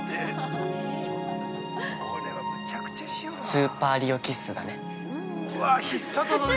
スーパーリオキッスだね。